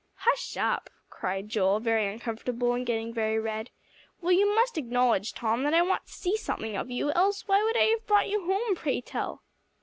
"Hush up," cried Joel, very uncomfortable, and getting very red. "Well, you must acknowledge, Tom, that I want to see something of you, else why would I have brought you home, pray tell?"